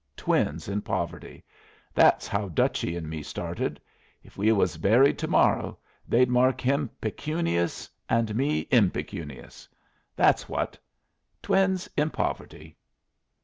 Twins in poverty. That's how Dutchy and me started. If we was buried to morrow they'd mark him 'Pecunious' and me 'Impecunious.' That's what. Twins in poverty."